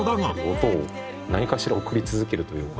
音を何かしら送り続けるというか。